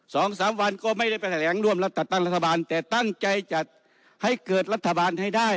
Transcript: สองสามวันก็ไม่ได้ไปแถลงร่วมรัฐจัดตั้งรัฐบาลแต่ตั้งใจจัดให้เกิดรัฐบาลให้ได้